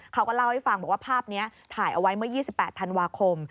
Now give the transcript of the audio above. เขาก็เล่าให้ฟังบอกว่าภาพนี้ถ่ายเอาไว้เมื่อ๒๘ธันวาคม